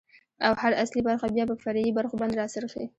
، او هر اصلي برخه بيا په فرعي برخو باندې را څرخي.